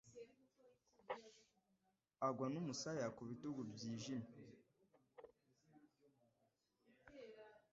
agwa n'umusaya ku bitugu byijimye